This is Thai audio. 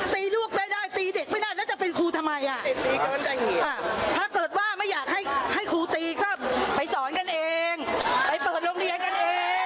ตีลูกไม่ได้ตีเด็กไม่ได้แล้วจะเป็นครูทำไมถ้าเกิดว่าไม่อยากให้ครูตีก็ไปสอนกันเองไปเปิดโรงเรียนกันเอง